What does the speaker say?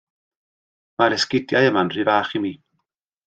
Mae'r esgidiau yma'n rhy fach i mi.